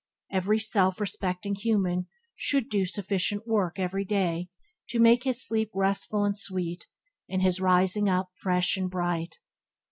Every self respecting human being should do sufficient work every day to make his sleep restful and sweet, and his rising up fresh and bright.